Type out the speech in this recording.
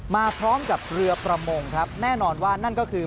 มาพร้อมกับเรือประมงครับแน่นอนว่านั่นก็คือ